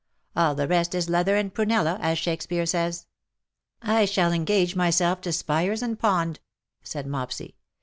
All the rest is leather and prunella, as Shakespeare says/^ " I shall engage myself to Spiers and Pond/' said Mopsy.